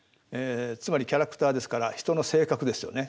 つまりキャラクターですから人の性格ですよね。